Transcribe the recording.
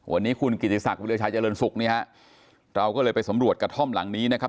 วันนี้คุณกิติศักดิชายเจริญศุกร์เนี่ยฮะเราก็เลยไปสำรวจกระท่อมหลังนี้นะครับ